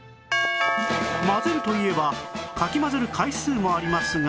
混ぜるといえばかき混ぜる回数もありますが